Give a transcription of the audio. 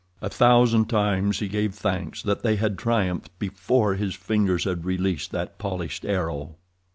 A thousand times he gave thanks that they had triumphed before his fingers had released that polished arrow.